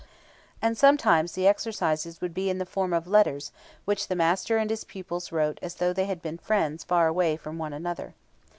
And sometimes the exercises would be in the form of letters which the master and his pupils wrote as though they had been friends far away from one another.